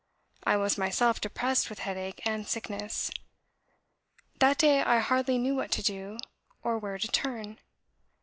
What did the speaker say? I was myself depressed with headache and sickness. That day I hardly knew what to do, or where to turn.